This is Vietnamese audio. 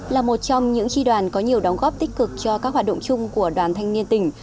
là một trong những tri đoàn có nhiều đóng góp tích cực cho các hoạt động chung của đoàn thanh niên tỉnh